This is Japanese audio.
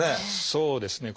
そうですね。